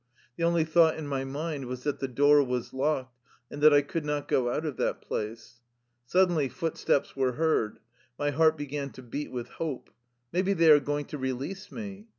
The only thought in my mind was that the door was locked, and that I could not go out of that place. Suddenly footsteps were heard. My heart be gan to beat with hope: Maybe they are going to release me